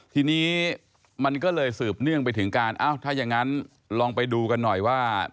ทีนี้มันก็เลยสืบเนื่องไปถึงการอ้าวถ้าอย่างนั้นลองไปดูกันหน่อยว่า